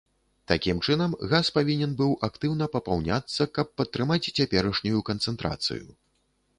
Такім чынам, газ павінен быў актыўна папаўняцца, каб падтрымаць цяперашнюю канцэнтрацыю.